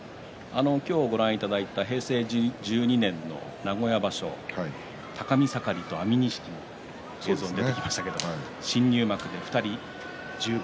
今日ご覧いただいた平成１２年の名古屋場所、高見盛と安美錦映像に出てきましたが新入幕で２人、１０番。